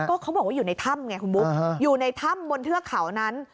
ก็เขาบอกว่าอยู่ในถ้ำไงคุณบุ๊คอยู่ในถ้ำบนเทือกเขานั้น